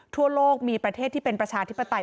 ทั่วโลกมีประเทศที่เป็นประชาธิปไตย